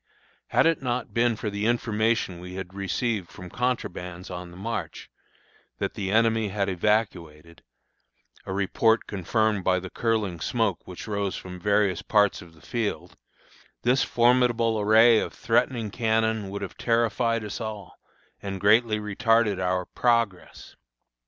Had it not been for the information we had received from contrabands on the march, that the enemy had evacuated, a report confirmed by the curling smoke which rose from various parts of the field, this formidable array of threatening cannon would have terrified us all, and greatly retarded our progress.